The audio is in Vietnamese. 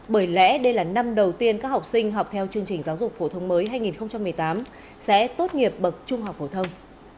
bởi lẽ đây là năm đầu tiên các học sinh học theo chương trình giáo dục phổ thông mới hai nghìn một mươi tám sẽ tốt nghiệp bậc trung học phổ thông